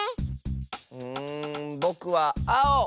うんぼくはあお！